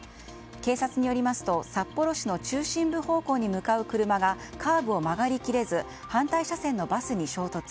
警察によりますと札幌市の中心部方向に向かう車がカーブを曲がり切れず反対車線のバスに衝突。